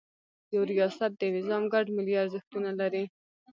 یو ریاست د نظام ګډ ملي ارزښتونه لري.